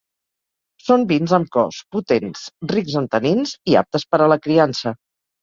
Són vins amb cos, potents, rics en tanins i aptes per a la criança.